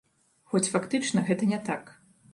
Хоць фактычна гэта не так.